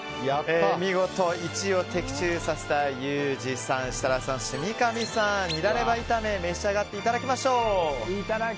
見事、第１位を的中させたユージさん、設楽さん三上さんにはニラレバ炒めを召し上がっていただきましょう。